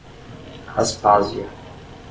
Aspásia